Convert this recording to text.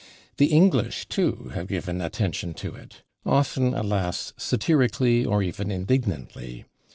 The English, too, have given attention to it often, alas, satirically, or even indignantly.